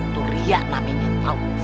tuh riak namanya tau